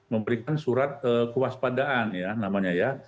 memberikan surat kewaspadaan ya namanya ya